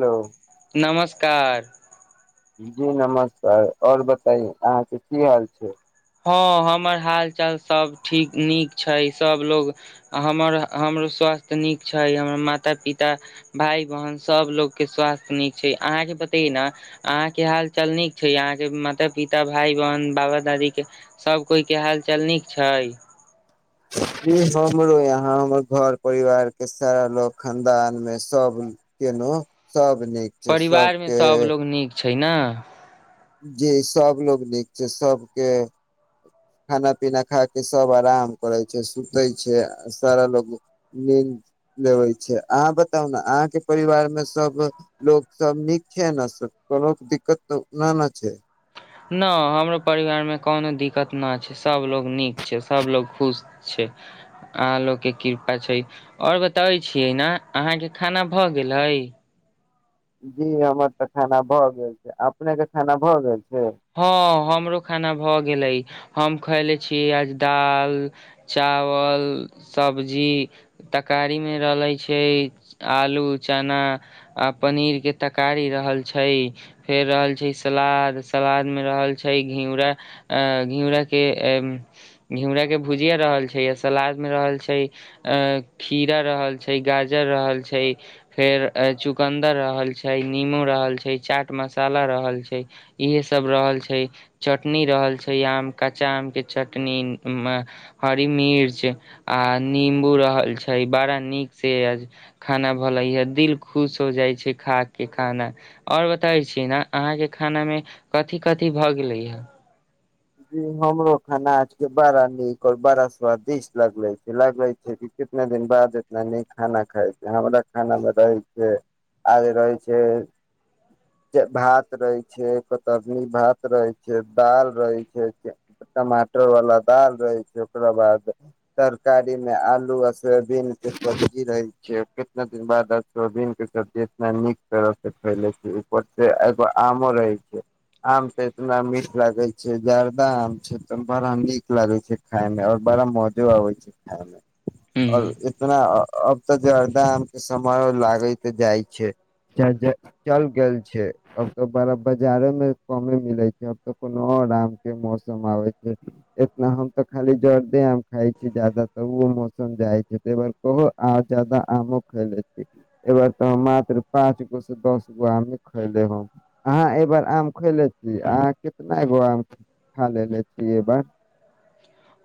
लौ नमस्कार जी नमस्कार आओर बताय अहाँके की हाल छै हँ हमर हाल चाल सब ठीक नीक छै सब लोग हमर हमरो स्वास्थ्य नीक छै हमर माता पिता भाय बहन सब लोग के स्वास्थ नीक छै अहाँके बतय न आहाँ के हाल चाल नीक छै अहाँके माता पिता भाय बहन बाबा दादी सब कोइ के हाल चाल नीक छाय जी हमरो यहाँ हमर घर परिवार के सारा लोक खानदान मे सब केनो सब निक परिवारमे सबलोग नीक छै न जी सबलोग नीक छै सबके खाना पीना खायके सब आराम करैय छैय, सुतैय छैय सारा लोग निंद लेबै छैय, अहाँ बताउ न अहाँके परिवार मे सब लोक सब नीक छैय सब कोनो सब दिक्कत तँ नै नैय छैय। न हमरो परिवारमे कोनो दिक्कत न छैय, सबलोग नीक छैय सबलोग खुश छैय अहाँ लोक के कृपा छै आओर बताबै छियै न अहाँके खाना भऽ गेलै जी हमर तऽ खाना भए गेल छै अपने के खाना भए गेल छै हँ हमरो खाना भऽ गेलै हम खयले छीय आज दाल चावल सब्जी तकारीमे रहलै छै आलू चना आ पनीर के तकारी रहल छै फेर रहल छै सलाद सलाद मे रहल छैय, घिउरा अ घिउरा के ए घिउराके भुजिया रहल छैय, आ सलादमे रहल छैय अ खीरा रहल छैय, गाजर रहल छैय फेर आय चुकन्दर रहल छैय, निमू रहल छैय, चाट मसाला रहल छैय इहेय सब रहल छैय, चटनी रहल छैय, आम कच्चा आम के चटनी मेअ हरी मिर्च आ निंबू रहल छैय, बड़ा नीक से आज खाना भलैया दिल खुश हो जाइ छैय खाके खाना। आओर बतायै छी न अहाँके खानामे कथि-कथि भऽ गेलैयै ह हमरो खाना आज के बड़ा नीक आओर बड़ा स्वादिष्ट लागलै लगबै छी की कितने दिन बाद एतना निक खाना खाए छे हमरा खाना मे रहै से आज रहै छै भात रहैय छैय, कतरनी भात रहैय छैय दाल रहैय छैय। फेर जे टमाटर वाला दाल रहैय छैय, ओकरा बाद तरकारी ने आलू आ सोयबीन के सब्जी रहैय छैय आ केतना दिन बाद सोयाबिन के सब्जी एतना नीक तरह से फैलै छैय, ऊपर से एगो आमो रहैय छैय। आम से एतना मीठ लागैय छैय। जर्दा आम छैय तऽ बड़ा नीक लागैय छैय, खाय मे आओर बड़ा मौजो आबैय छैय खाय मे ह आओर एतना अब तऽ जर्दा आम के समयो लागैत जाइय छैय। च [unintelligible] चल गेल छैय, अब तऽ बड़ा बाजारो मे कमेय मिलैय छैय, अब तऽ कोनो आओर आम मौसम आबैयतै एतना हम तऽ खाली जर्दे आम खाय छियै, जादा तरऽ उहो मौसम जाइत हैतैय बर ओहो आय जादा आमो खाय लेतैय। एहिबेर तऽ मात्र पाँच गो स दस गो आमे खैयले हम अहाँ एहिबैर आम खैएले छी, अहाँ कितनागो आम खैय लेलेे छिय एहिबार।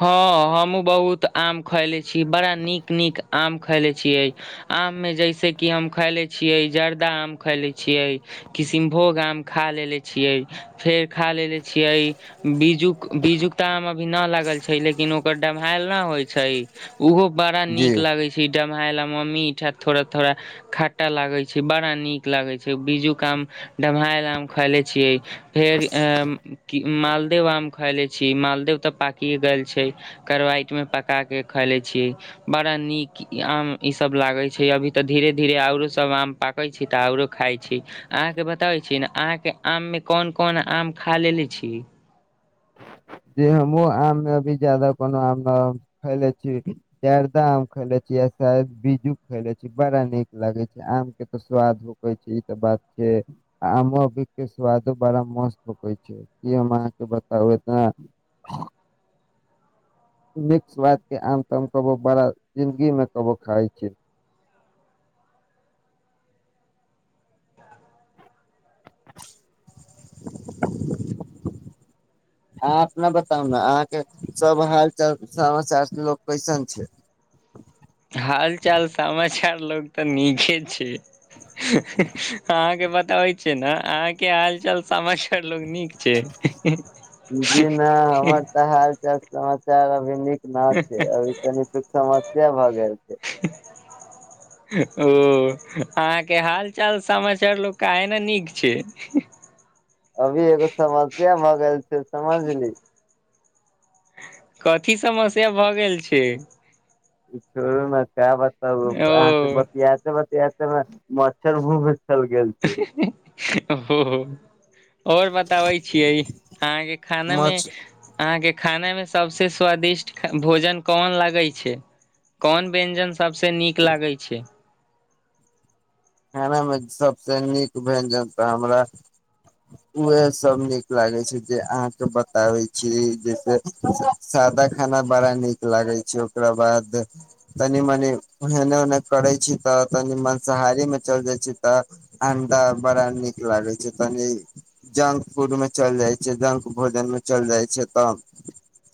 हँ हमहूँ बहुत आम खैलेय छीयै, बड़ा नीक-नीक आम खैलेय छियै। आममे जैसे कि हम खैयले छियै जर्दा आम खैयले छियै। किसिनभोग आम खाय लेलेे छियै, फेर खाय लेलेे छियै, बीजूक-बीजुकता आम अभी नय लागल छैय, लेकिन ओ ओ डम्हैल ना होइ छैय, उहो बड़ा नीक जी लागैय [unintelligible] खट्टा लागैय छैय, बड़ा नीक लागैय छैय, बीजूक आम डम्हैल आम खलैय छियै। फेर अ कि मालदअ आम खैलेय छि मालदअ तऽ पाकिए गेल छैय। करवाइट मे पका के खलैय छियै। बड़ा नीक ई आम ई सब लागैय छैय, अभी तऽ धीरे धीरे आरो सब आम पाक कहैय छियै तऽ आओरो खाइ छी अहाँके बताबै छिय नय, अहाँ के आम मे कोन-कोन आम खा लेलेे छि जे हमहुँ आम मे अभी जादा कोनो आम नै खैलेय छि जर्दा आम खैलैय छि साएद बीजू खैयलै छी बड़ा नीक लागैय छी आम के तऽ स्वादो ई त बात छै आमो अभी के स्वादो बड़ा मस्त होय छै की हम अहाँके बताउ एतना मिक्सवाद के आम त को बड़ा जिंदगी मे कबो खाइ छै [inaudible] अहाँ अपना बताउ न अहाँ के सब हाल चाल समाचार सब लोक कैसन छै हाल चाल समाचार लोक तऽ नीके छैय। [unintelligible] अहाँके बताबै छियै, न अहाँके हाल चाल समाचर लोक नीक छैय। जी न हमर हाल- चाल समाचार अभी नीक ना छैय, अभी तनी सँ समस्या भऽ गाएल छैय। [inaudible] ओ अहाँके हाल चाल समाचार लोक काहेन नीक छैय। अभी एगो समस्या भऽ गेल छै से समझली कथि समस्या भऽ गेल छै ई छोड़ू ने आएब तब अहाँ से ओ बत- एहि सब बियातेमे मच्छर मुँहमे चलि गेल छै ओ-अ ओ-आओर बताबै छियै अहाँके खानामे मछ अहाँके खानामे सबसे स्वादिष्ट भोजन कोन लागै छै कोन व्यञ्जन सभसँ नीक लागै छै खानामे सभसे नीक व्यञ्जन तऽ हमरा उहे सब नीक लागे छै जे अहाँके बताबै छी जैसे सादा खाना बड़ा नीक लागै छै ओकरा बाद तनी मनी एने ओने करै छी तऽ तनी माँंसाहारीमे चल जाइ छी तऽ अंडा बड़ा नीक लागे छै तनि जंक फूडमे चलि जाइ छै तऽ जंक भोजनमे चल जाइ छै तब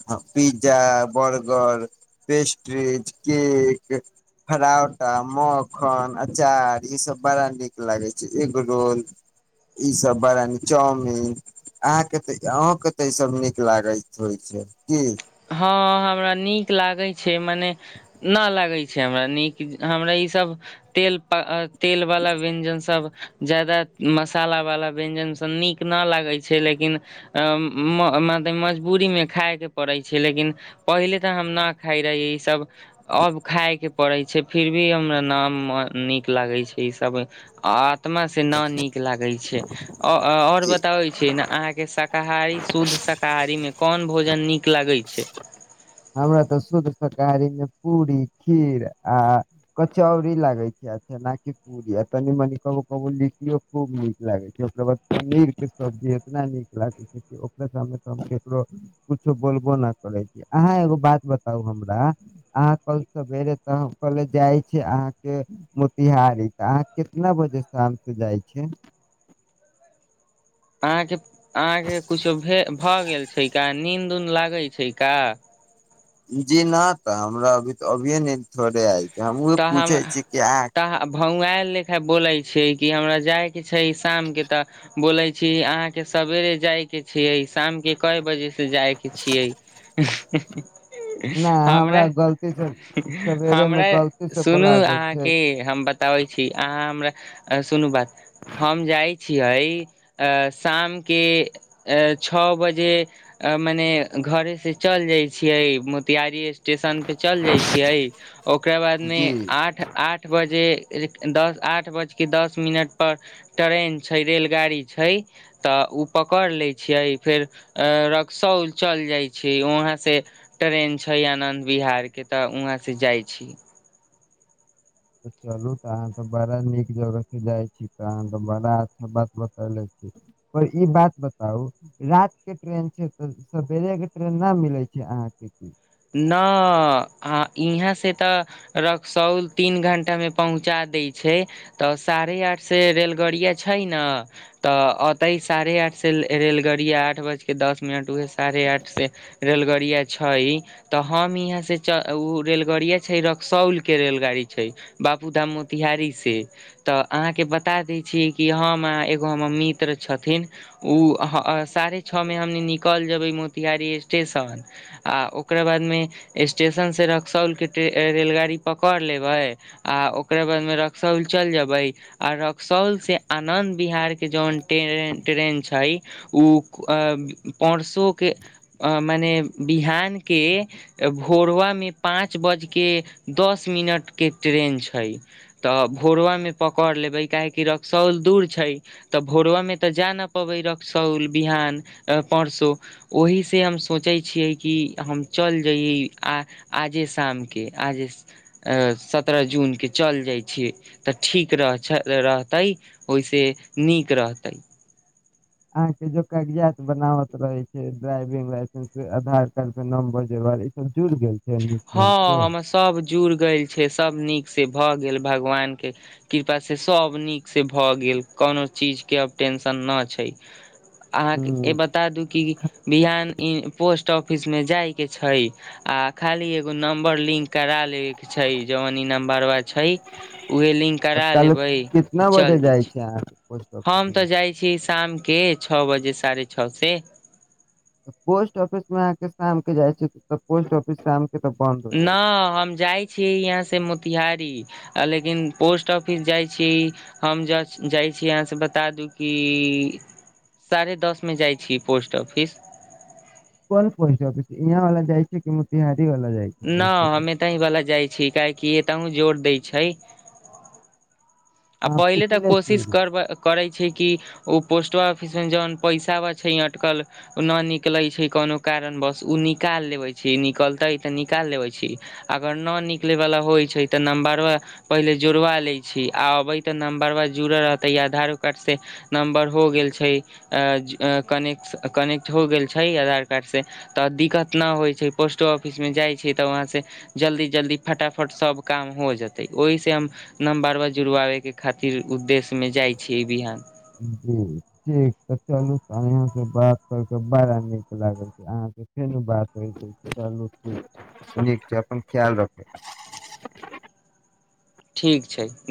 हाँ पिज्जा बर्गर पेस्ट्रीज केक फराउटा मखन अचार ई सब बड़ा नीक लागै छै एगरोल ई सब बड़ा नीक चाउमिन अहाँके तऽ अन्हुके तऽ ई सब नीक लागै होइत छै की हाँ हमरा नीक लागै छै मने ना लागै छै हमरा नीक हमरा ईसभ तेल तेल वला व्यञ्जन सब ज्यादा मसालावला व्यञ्जन सब नीक नहि लागै छै लेकिन अ-म-मलतब मजबूरीमे खाइके पड़ै छै लेकिन पहिले तऽ हम नहि खाइ रहियै ई सब अब खाइके पड़ै छै फिर भी हमरा नाम नीक लागै छै ई सब आत्मा से नऽ नीक लागै छै ओ-अ-आओर जी। बताबै छियै नऽ अहाँके श- शाकाहारी शुद्ध शाकाहारीमे कोन भोजन नीक लगै छै हमरा तऽ शुद्ध शाकाहारीमे पूरी खीर आ कचौरी लागै छै अच्छा नाकि पूरि आ तनी मनि कहूँ कहूँ लिट्टीयो खूब नीक लागै छै ओकरा बाद पनीरके सब्जी एतना नीक लागे देखियो ओकरा सामने हम केकोरो कुछो बोलबो न करै छियै अहाँ एगो बात बताउ हमरा अहाँ कल सवेरे तऽ हम कले जाइ छै अहाँके मोतिहारी तऽ अहाँ कितना बजे शामके जाइ छै अहाँके अहाँके किछो भे-भऽ गेल छै का नीन्द उंद लागै छै का जी ना तऽ हमरा अभी तो अभिऐ नींद थोड़े आएल तहमे तहाँ आ भौँएाल लेखा बोलै छियै कि हमरा जाइके छै शामके तऽ बोलै छी अहाँके सवेरे जायके छियै शामके कए बजेसँ जाएके छियै न हीं-ह हमरा- गलती से सवेरे मे हमरा ए गलती से सुनू बोला गेल छै अहाँके हम बताबै छी अहाँ हमरा सुनू बात हम जाइत छियै ए-शामके ए-छओ बजे अ-मने घरे से चल जाइ छियै मोतियारी स्टेशन पे चलि जाइ छियै ओकरा बादमे जी आ आठ आठ बजे दस आठ बजके दस मिनट पर ट्रेन छै रेलगाड़ी छै तऽ उ पकड़ लै छियै फेर रक्सौल चल जाइ छै वहाँ से ट्रेन छै आनन्द बिहार केँ तऽ उहाँ से जाइ छी तऽ चलू तऽ अहाँ तऽ बड़ा नीक जगहसँ जाइ छी तहन तऽ बड़ा अच्छा बात बतैलै छी पर ई बात बताउ रात के ट्रेन छै तऽ सवेरे केँ ट्रेन नऽ मिले छै अहाँकेँ की ना अ इहाँ से तऽ रक्सौल तीन घंटा मे पहुँचा दै छै तऽ साढ़े आठसँ रेलगड़िया छै नऽ तऽ औतै साढ़े आठ से रेलगड़िया आठ बज केँ दस मिनट उहे साढ़े आठ सँ रेलगड़िया छै तऽ हम इहाँ से च उ रेलगाड़िया छै रक्सौल केँ रेलगाड़ी छै बाबू धाम मोतिहारी से तऽ अहाँकेँ बता दै छिये कि हम आहाँ एगो हमर मित्र छथिन ओ साढ़े छ मे हम निकलि जेबै मोतिहारी स्टेशन आ ओकरा बादमे स्टेशन से रक्सौल केँ रेलगाड़ी पकड़ लेबै आ ओकरा बाद मे रक्सौल चल जेबै आ रक्सौल से आनन्द बिहार केँ जवन तेरेन - ट्रेन छै उ अ परसो केँ मने बिहान केँ भोरवामे पाँच बज केँ दस मिनट कें ट्रेन छै तऽ भोरबा मे पकड़ लेबै काहेकि रक्सौल दूर छै तऽ भोरबामे तऽ जा नऽ पबै रक्सौल बिहान अ परसू ओहीसे हम सोचै छियै कि तऽ हम चल जइयै आ आजे शाम केँ आजे ए सत्रह जून केँ चल जाइ छिये तऽ ठीक रह रहतै ओहिसे नीक रहतै अहाँ केँ जो कागजात बनावत रहे छै ड्राइविंग लाइसेंस आधार कार्ड केँ नाम्बर जोरबा लै कऽ जुर गेल छै नीक ढंग हँ से हमर सब जुड़ गेल छै सब नीक से भऽ गेल भगवान केँ कृपा से सब नीक से भऽ गेल कोनो चीज केँ अब टेंशन नऽ छै अहाँकेँ ए हूँ ब ता दू कि बिहान ई पोस्ट ऑफिस मे जाय केँ छै आ खाली एगो नम्बर लिंक करा लेबे कऽ छै जवन ई नम्बरवा छै उहे लिंक तऽ करा काल्हि लेबै कितना आ बजे चल जाय छी [unintelligible] हम तऽ जाइ छी शाम केँ छ बजे साढ़े छ से पोस्ट ऑफिस मे अहाँकेँ शाम केँ जाइ छी तऽ पोस्ट ऑफिस शाम केँ तऽ बन्द हो जाइ छै नऽ हम जाइ छी यहाँ से मोतिहारी आ लेकिन पोस्ट ऑफिस जाइ छी हम ज - जाइ छी अहाँ से बता दू कि साढ़े दस मे जाइ छी पोस्ट ऑफिस कोन पोस्ट आफिस इहाँ वला जाइ छियै कि मोतीहारी वला जाइ छै नऽ पोस्ट ऑफिस हमे यही वला जाइ छी काहेकि एताहु जोर दै छै। आ अहाँ पहिले तऽ पुछले छी कोशिश करबै करै छै कि ओ पोस्ट ऑफिस में जौन पैसावा छै अटकल नऽ निकलै छै कोनो कारण बस ओ निकाल लेबै छी निकलतै तऽ निकाल लेबै छी अगर न निकलयवला होइ छै तऽ नम्बर पहिले जोड़वा लै छी आ अबइ तऽ नम्बरवा जुड़ल रहतै आधारो कार्डसँ नम्बर हो गेल छै कने कनेक्ट हो गेल छै आधार कार्ड से तऽ दिक्कत नऽ होइ छै पोस्टो ऑफिस मे जाइत छै तऽ वहाँसँ जल्दी जल्दी फटाफट सब काम हो जेतै ओहि से हम नम्बरबा जु जुड़बाबै के खातिर उद्देश्य मे जाइ छी बिहान [unintelligible] ठीक तऽ चलूं से बात कर के बड़ा नीक लागल छै अहाँ के फेनू बात होय छै ठीक छै अपन खयाल रखब ठीक छैइ